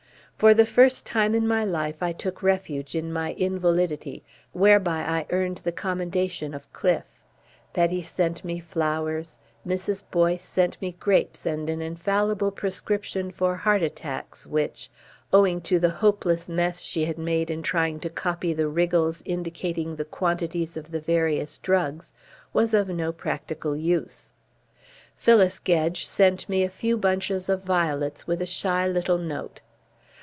For the first time in my life I took refuge in my invalidity, whereby I earned the commendation of Cliffe. Betty sent me flowers. Mrs. Boyce sent me grapes and an infallible prescription for heart attacks which, owing to the hopeless mess she had made in trying to copy the wriggles indicating the quantities of the various drugs, was of no practical use. Phyllis Gedge sent me a few bunches of violets with a shy little note.